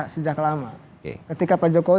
sejak lama ketika pak jokowi